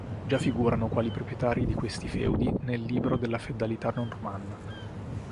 Già figurano quali proprietari di questi feudi nel libro della feudalità normanna.